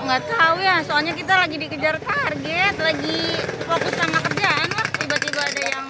nggak tahu ya soalnya kita lagi dikejar target lagi fokus sama kerjaan tiba tiba ada yang